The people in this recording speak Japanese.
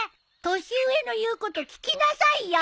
年上の言うこと聞きなさいよ。